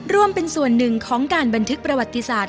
รวมเป็นส่วนหนึ่งของการบันทึกประวัติศาสต